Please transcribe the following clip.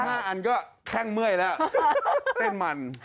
หาย๕อันก็ค่างเมื่อยแล้วเต้นมัน